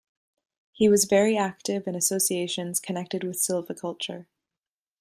He was very active in associations connected with silviculture.